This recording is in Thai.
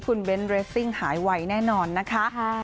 คุณเบ้นเรสซิ่งหายไวแน่นอนนะคะ